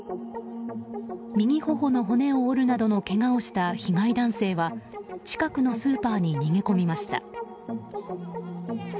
右頬の骨を折るなどのけがをした被害男性は近くのスーパーに逃げ込みました。